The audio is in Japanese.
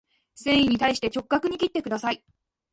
繊維に対して直角に切ってください